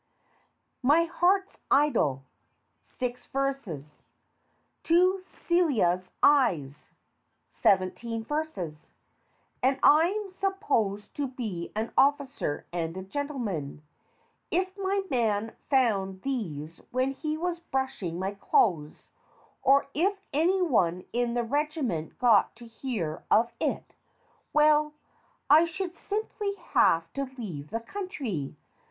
"My Heart's Idol" six verses. "To Celia's Eyes" seventeen verses. And I'm sup posed to be an officer and a gentleman. If my man found these when he was brushing my clothes, or if anyone in the regiment got to hear of it well, I should simply have to leave the country.